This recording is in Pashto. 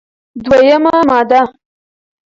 دوه یمه ماده: